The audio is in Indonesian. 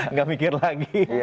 nggak mikir lagi